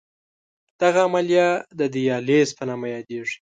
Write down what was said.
دغه عملیه د دیالیز په نامه یادېږي.